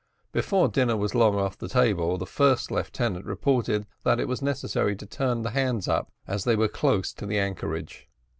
Before dinner was long off the table, the first lieutenant reported that it was necessary to turn the hands up, as they were close to the anchorage.